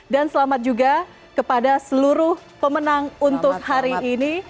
dan selamat juga kepada seluruh pemenang untuk hari ini